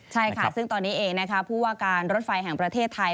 ใช่ค่ะซึ่งตอนนี้เองนะคะผู้ว่าการรถไฟแห่งประเทศไทย